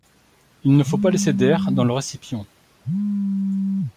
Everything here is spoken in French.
Il ne faut pas laisser d'air dans le récipient.